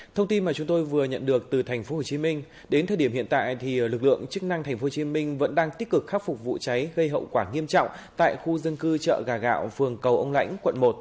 thông tin mà chúng tôi vừa nhận được từ tp hcm đến thời điểm hiện tại lực lượng chức năng tp hcm vẫn đang tích cực khắc phục vụ cháy gây hậu quả nghiêm trọng tại khu dân cư chợ gà gạo phường cầu ông lãnh quận một